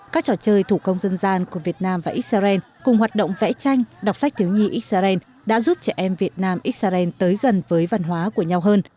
các trò chơi thủ công dân gian của việt nam và israel cùng hoạt động vẽ tranh đọc sách thiếu nhi israel đã giúp trẻ em việt nam israel tới gần với văn hóa của nhau hơn